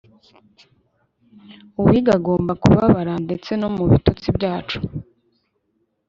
uwiga agomba kubabara. ndetse no mu bitotsi byacu